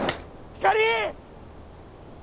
ひかり！